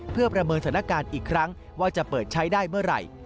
เพื่อประเมินสถานการณ์อีกครั้งว่าจะเปิดใช้ได้เมื่อไหร่